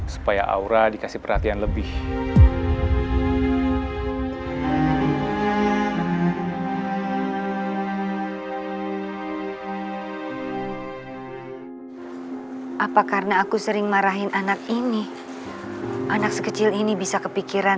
sampai jumpa di video selanjutnya